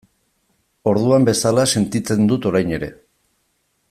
Orduan bezala sentitzen dut orain ere.